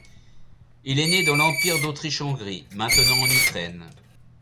Il est né dans l'empire d'Autriche-Hongrie maintenant en Ukraine.